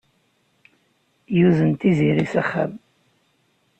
Yuzen Tiziri s axxam.